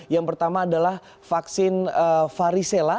yang pertama adalah vaksin varicela